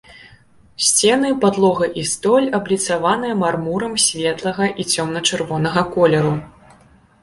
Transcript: Сцены, падлога і столь абліцаваныя мармурам светлага і цёмна-чырвонага колеру.